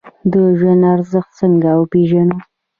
د ژوند ارزښت څنګه وپیژنو؟